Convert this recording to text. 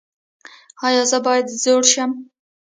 ایا زه باید زوړ شم؟